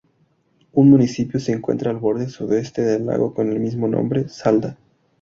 Un municipio se encuentra al borde sudoeste del lago con el mismo nombre, Salda.